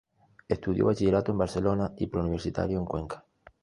Estudió bachillerato en Barcelona y preuniversitario en Cuenca.